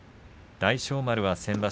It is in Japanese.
大翔丸は先場所